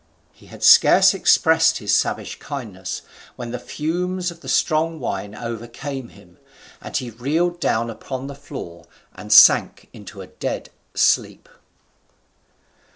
He had scarce expressed his savage kindness, when the fumes of the strong wine overcame him, and he reeled down upon the floor and sank into a dead sleep.